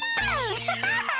アハハハ！